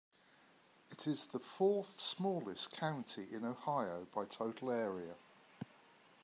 It is the fourth-smallest county in Ohio by total area.